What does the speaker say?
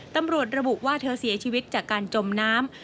ตำรวจระบุว่าเธอเสียชีวิตจากการจมน้ำ